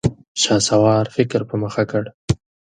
شهسوار فکر په مخه کړ.